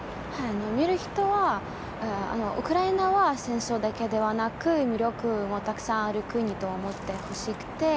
見る人は、ウクライナは戦争だけではなく魅力もたくさんある国と思ってほしくて。